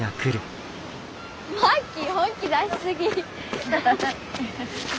マッキー本気出しすぎ。